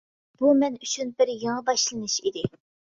بۇ مەن ئۈچۈن بىر يېڭى باشلىنىش ئىدى.